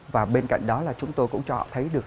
và bên cạnh đó là chúng tôi cũng cho họ thấy được